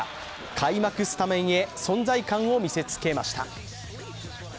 開幕スタメンへ存在感を見せつけました。